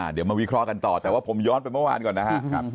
เดี๋ยวมาวิเคราะห์กันต่อแต่ว่าผมย้อนไปเมื่อวานก่อนนะครับ